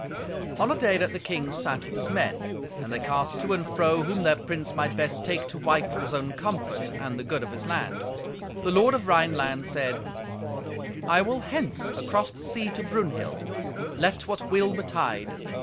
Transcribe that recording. On a day that the king sat with his men, and they cast to and fro whom their prince might best take to wife for his own comfort and the good of his land, the lord of Rhineland said, "I will hence across the sea to Brunhild, let what will betide.